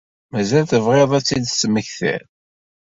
Mazal tebɣiḍ ad tt-id-temmektiḍ?